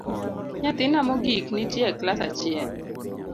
Nyathina mogik nitie e klas achiel